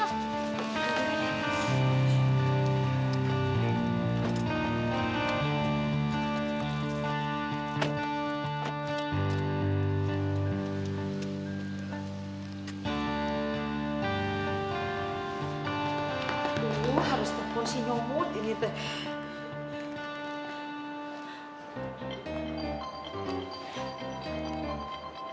dulu harus tuh posisi nyomot ini tuh